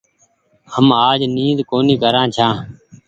هم آج نيد ڪونيٚ ڪران ڇآن۔